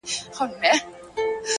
پوه انسان له هر حالت زده کوي